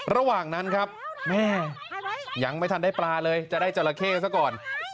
ระหว่างนั้นครับแม่ยังไม่ทันได้ปลาเลยจะได้จราเข้ซะก่อน